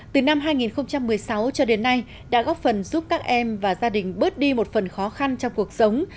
từ năm hai nghìn một mươi sáu cho đến nay đã góp phần giúp các em và gia đình bớt đi một phần khó khăn trong cuộc sống